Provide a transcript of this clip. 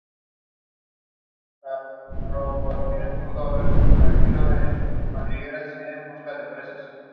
En el curso de los siglos, sus fronteras fueron considerablemente modificadas.